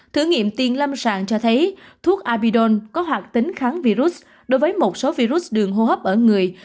thử nghiệm tiền lâm sàng cho thấy thuốc abidon có hoạt tính kháng virus đối với một số virus đường hô hấp ở người